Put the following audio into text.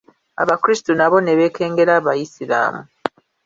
Abakristu nabo ne beekengeranga Abaisiramu.